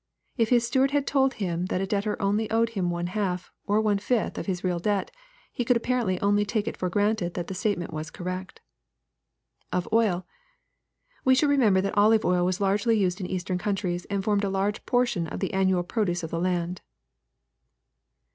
If his steward told him that a debtor only owed him one half, or one fifth, of his real debt, he could apparently only take it for granted that the state ment was correct. [Of oU.] We should remember that olive oil was largely used in eastern. countries, and formed a large portion of the annual pro duce of the land.